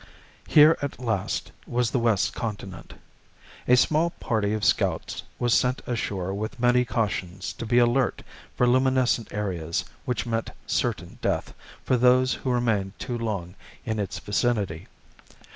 Here, at last, was the west continent. A small party of scouts was sent ashore with many cautions to be alert for luminescent areas which meant certain death for those who remained too long in its vicinity.